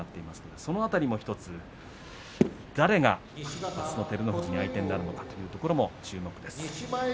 その辺りも１つ誰があすの照ノ富士の相手になるのかというところも注目です。